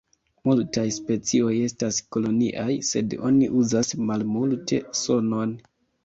Multaj specioj estas koloniaj sed oni uzas malmulte sonon.